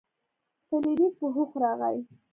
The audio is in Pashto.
فلیریک په هوښ راغی.